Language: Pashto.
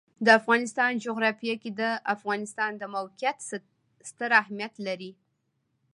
د افغانستان جغرافیه کې د افغانستان د موقعیت ستر اهمیت لري.